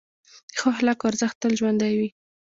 د ښو اخلاقو ارزښت تل ژوندی وي.